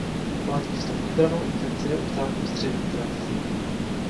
Hlavní vstupní branou infekce je u ptáků střevní trakt.